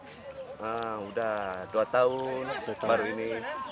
nah udah dua tahun baru ini